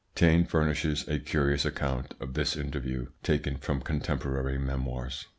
Taine furnishes a curious account of this interview taken from contemporary memoirs.